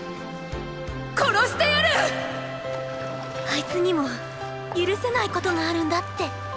あいつにも許せないことがあるんだって。